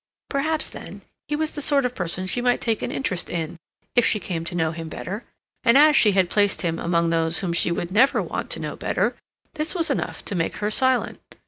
Perhaps, then, he was the sort of person she might take an interest in, if she came to know him better, and as she had placed him among those whom she would never want to know better, this was enough to make her silent.